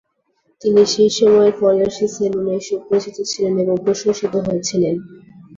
তিনি সেই সময়ের ফরাসি সেলুনে সুপরিচিত ছিলেন এবং প্রশংসিত হয়েছিলেন।